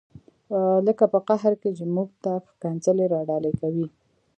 لکه په قهر کې چې موږ ته ښکنځلې را ډالۍ کوي.